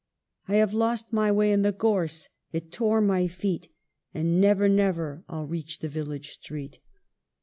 I have lost my way in the gorse ; it tore my feet, And never, never I '11 reach the village street."